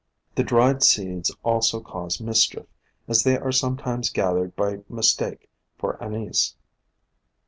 The dried seeds also cause mischief, as they are sometimes gathered by mistake for Anise.